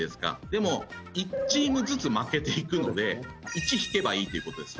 でも１チームずつ負けていくので１引けばいいっていう事です